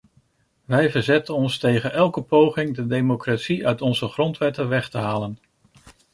Wij verzetten ons tegen elke poging de democratie uit onze grondwetten weg te halen.